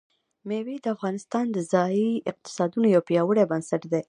مېوې د افغانستان د ځایي اقتصادونو یو پیاوړی بنسټ دی.